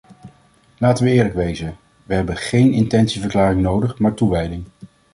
Laten we eerlijk wezen: we hebben geen intentieverklaringen nodig, maar toewijding.